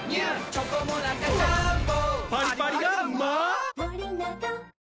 チョコモナカジャーンボパリパリがうまー！